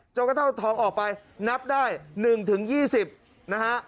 จนกระทั่วทองออกไปนับได้หนึ่งถึงยี่สิบนะฮะ